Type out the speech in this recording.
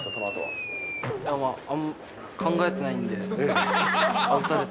あんま考えてないんで。